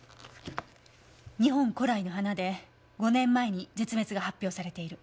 日本古来の花で５年前に絶滅が発表されている。